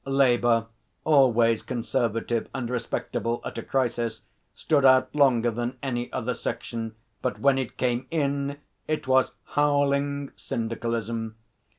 Labour, always conservative and respectable at a crisis, stood out longer than any other section, but when it came in it was howling syndicalism.